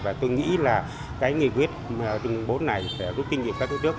và tôi nghĩ là cái nghị quyết đường bốn này sẽ rút kinh nghiệm ra trước